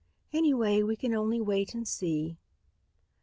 "Anyway, we can only wait and see."